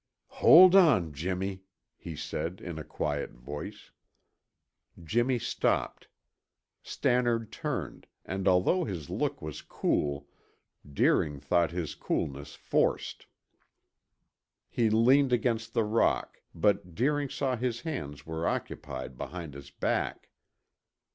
"Hold on, Jimmy," he said in a quiet voice. Jimmy stopped. Stannard turned, and although his look was cool Deering thought his coolness forced. He leaned against the rock, but Deering saw his hands were occupied behind his back.